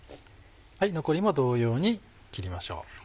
残りも同様に切りましょう。